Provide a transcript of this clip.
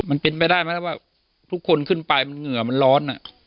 มันเป็นไปได้ไหมแล้วว่าทุกคนขึ้นไปมันเหงื่อมันร้อน